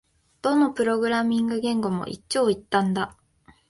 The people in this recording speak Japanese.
どのプログラミング言語も一長一短だ